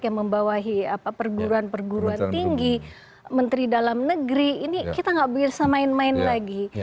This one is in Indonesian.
yang membawahi perguruan perguruan tinggi menteri dalam negeri ini kita nggak bisa main main lagi